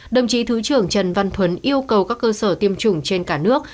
đồng chí thứ trưởng trần văn tuấn yêu cầu các cơ sở tiêm chủng trên cả nước